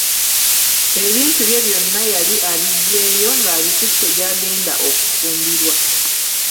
Ebintu bye byonna yali abiggyeeyo, ng'abitutte gy'agenda okufumbirwa.